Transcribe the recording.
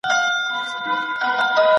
نړيوال حکومت د سولي لپاره پکار دی.